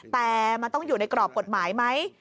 แต่มันต้องอยู่ในกรอบกฎหมายไหม